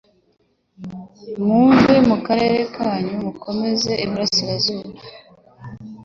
muve mukarere kanyu mukomeze iburasizuba